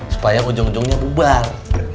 supaya ujung ujungnya bubar